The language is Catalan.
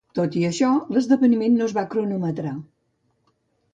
Tot i això, l'esdeveniment no es va cronometrar.